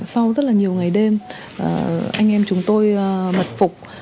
sau rất là nhiều ngày đêm anh em chúng tôi mật phục